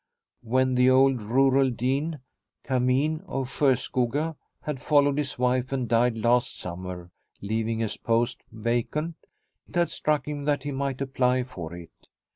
When the old rural dean Cameen of Sjoskoga had followed his wife and died last summer, leaving his post vacant, it had struck him that he might apply for it.